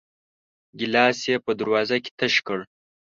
ګيلاس يې په دروازه کې تش کړ.